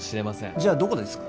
じゃあどこですか？